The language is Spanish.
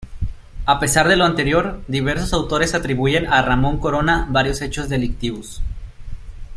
A pesar de lo anterior, diversos autores atribuyen a Ramón Corona varios hechos delictivos.